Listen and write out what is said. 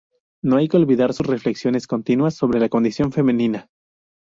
No hay que olvidar sus reflexiones continuas sobre la condición femenina.